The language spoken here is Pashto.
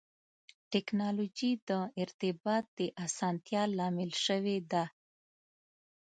ټکنالوجي د ارتباط د اسانتیا لامل شوې ده.